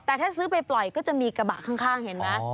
แต่ถ้าซื้อไปปล่อยก็จะมีกระบะข้างเห็นไหม